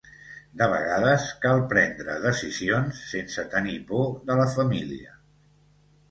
De vegades cal prendre decisions sense tenir por de la família.